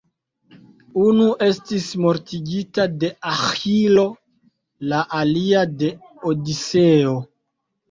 Unu estis mortigita de Aĥilo, la alia de Odiseo.